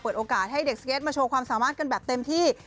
โอกาสให้เด็กสเก็ตมาโชว์ความสามารถกันแบบเต็มที่